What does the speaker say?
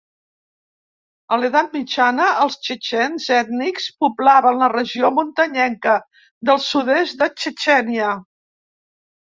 A l'edat mitjana els txetxens ètnics poblaven la regió muntanyenca del sud-est de Txetxènia.